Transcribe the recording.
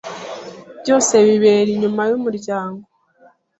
Byose bibera inyuma yumuryango.